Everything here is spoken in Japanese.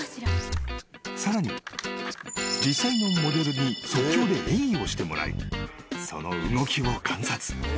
［さらに実際のモデルに即興で演技をしてもらいその動きを観察。